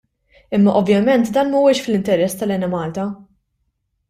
Imma ovvjament dan mhuwiex fl-interess tal-Enemalta.